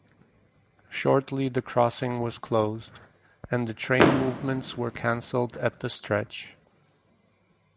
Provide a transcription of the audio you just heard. Shortly the crossing was closed and the train movements were cancelled at the stretch.